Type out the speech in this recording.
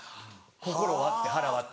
心割って腹割って。